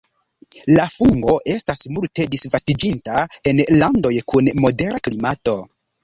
La fungo estas multe disvastiĝinta en landoj kun modera klimato.